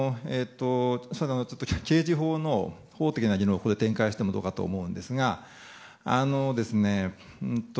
刑事法の法的な議論をここで展開してもどうかと思うんですが。